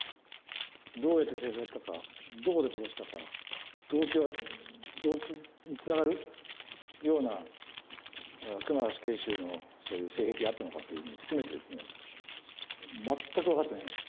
どうやって連れ去ったかどこで殺したか動機につながるような久間死刑囚のそういう性癖があったのかというのも含めてですね全く分かってないんです。